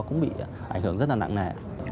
cũng bị ảnh hưởng rất là nặng nẻ